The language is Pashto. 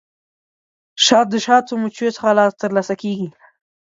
شات د شاتو مچیو څخه ترلاسه کیږي